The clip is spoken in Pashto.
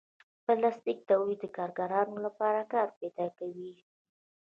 پلاستيکي تولید د کارګرانو لپاره کار پیدا کوي.